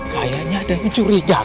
kayaknya ada yang mencurigakan